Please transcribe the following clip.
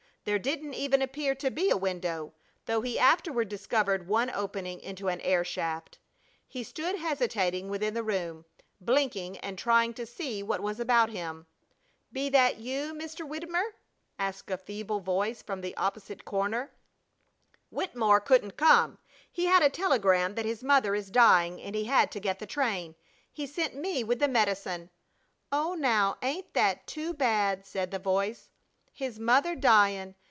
There didn't even appear to be a window, though he afterward discovered one opening into an air shaft. He stood hesitating within the room, blinking and trying to see what was about him. "Be that you, Mr. Widymer?" asked a feeble voice from the opposite corner. "Wittemore couldn't come. He had a telegram that his mother is dying and he had to get the train. He sent me with the medicine." "Oh, now ain't that too bad!" said the voice. "His mother dyin'!